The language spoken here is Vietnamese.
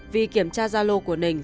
vì kiểm tra gia lô của nình